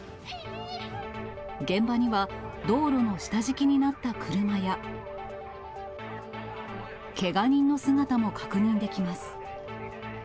現場には、道路の下敷きになった車や、けが人の姿も確認できます。